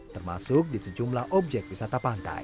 termasuk di sejumla objek wisata pangkai